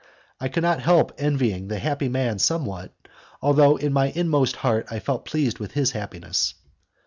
I could not help envying the happy man somewhat, although in my inmost heart I felt pleased with his happiness.